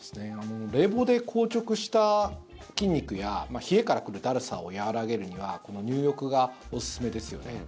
冷房で硬直した筋肉や冷えから来るだるさを和らげるには入浴がおすすめですよね。